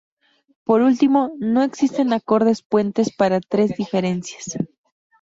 Por último, no existen acordes puentes para tres diferencias.